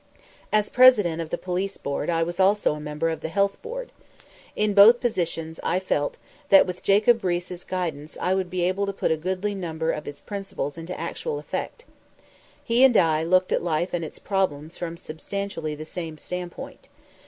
As President of the Police Board I was also a member of the Health Board. In both positions I felt that with Jacob Riis's guidance I would be able to put a goodly number of his principles into actual effect. He and I looked at life and its problems from substantially the same standpoint.